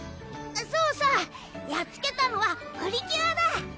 そうそうやっつけたのはプリキュアだ